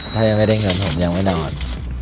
ถ้ายังไม่ได้เงินผมยังไม่นอน